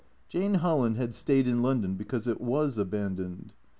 Jane Holland had stayed in London because it was aban doned.